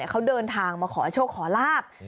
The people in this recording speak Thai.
เขาเดินทางมาขอโชคขอลาบ